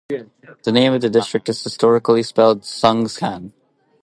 The name of the district is historically spelled Sungshan.